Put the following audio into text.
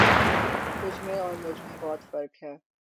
تجھ میں اور مجھ میں بہت فرق ہے